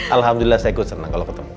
alhamdulillah saya ikut senang kalau ketemu